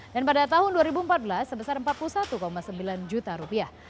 dan pada tahun dua ribu empat belas sebesar empat puluh satu sembilan juta rupiah